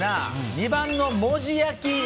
２番の文字焼き！